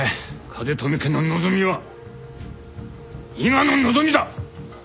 風富家の望みは伊賀の望みだ！